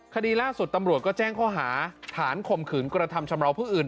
คดีล่าสุดตำรวจก็แจ้งข้อหาฐานข่มขืนกระทำชำราวผู้อื่น